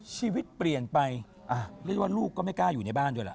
ชีวิตเปลี่ยนไปเรียกว่าลูกก็ไม่กล้าอยู่ในบ้านด้วยล่ะ